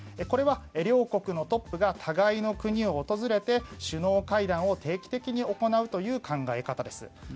これは両国のトップが互いの国を訪れて、首脳会談を定期的に行うという考え方です。